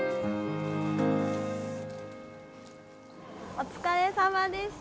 おつかれさまでした！